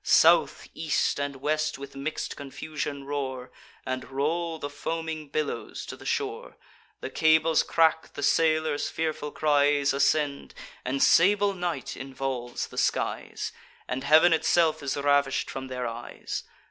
South, East, and West with mix'd confusion roar, And roll the foaming billows to the shore. The cables crack; the sailors' fearful cries Ascend; and sable night involves the skies; And heav'n itself is ravish'd from their eyes.